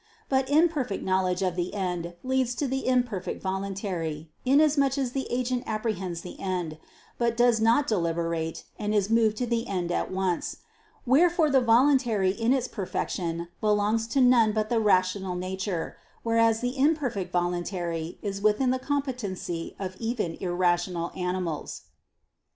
But imperfect knowledge of the end leads to the imperfect voluntary; inasmuch as the agent apprehends the end, but does not deliberate, and is moved to the end at once. Wherefore the voluntary in its perfection belongs to none but the rational nature: whereas the imperfect voluntary is within the competency of even irrational animals.